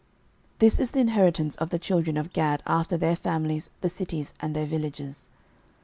06:013:028 This is the inheritance of the children of Gad after their families, the cities, and their villages.